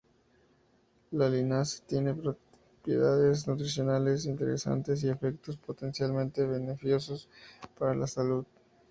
La linaza tiene propiedades nutricionales interesantes y efectos potencialmente beneficiosos para la salud.